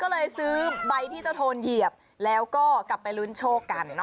ก็เลยซื้อใบที่เจ้าโทนเหยียบแล้วก็กลับไปลุ้นโชคกัน